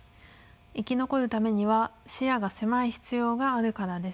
生き残るためには視野が狭い必要があるからです。